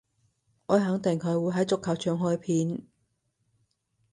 我肯定佢會喺足球場開片